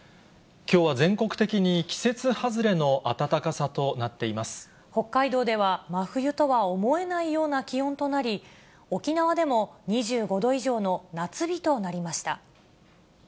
きょうは全国的に季節外れの北海道では、真冬とは思えないような気温となり、沖縄でも２５度以上の夏日となりました。